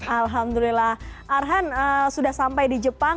alhamdulillah arhan sudah sampai di jepang